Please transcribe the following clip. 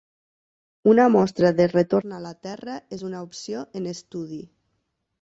Una mostra de retorn a la Terra és una opció en estudi.